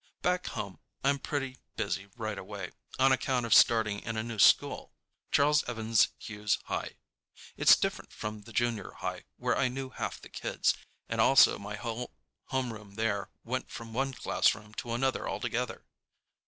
Back home I'm pretty busy right away, on account of starting in a new school, Charles Evans Hughes High. It's different from the junior high, where I knew half the kids, and also my whole homeroom there went from one classroom to another together.